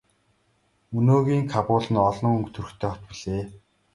Өнөөгийн Кабул нь олон өнгө төрхтэй хот билээ.